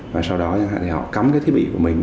và sau đó họ cắm cái thiết bị của mình